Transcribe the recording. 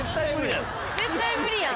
絶対無理やん。